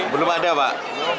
belum ada pak